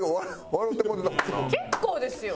結構ですよ。